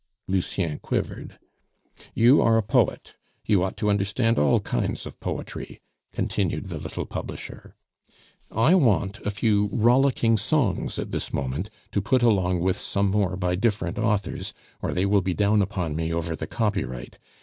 Lucien quivered. "You are a poet. You ought to understand all kinds of poetry," continued the little publisher. "I want a few rollicking songs at this moment to put along with some more by different authors, or they will be down upon me over the copyright.